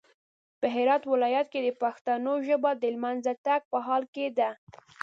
په هرات ولايت کې د پښتنو ژبه د لمېنځه تګ په حال کې ده